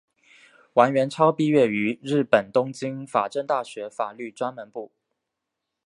王元超毕业于日本东京法政大学法律专门部。